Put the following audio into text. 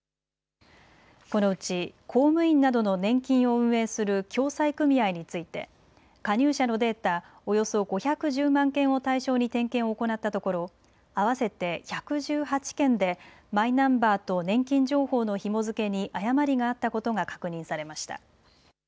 このうち公務員などの年金を運営する共済組合について加入者のデータ、およそ５１０万件を対象に点検を行ったところ、合わせて１１８件でマイナンバーと年金情報のひも付けに誤りがあったことが確認されました。